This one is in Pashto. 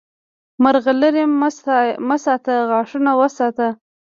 مرغلرې مه ساته، غاښونه وساته!